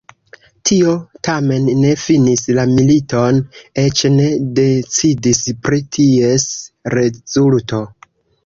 Tio tamen ne finis la militon, eĉ ne decidis pri ties rezulto.